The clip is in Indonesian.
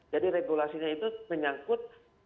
jadi regulasinya itu menyangkut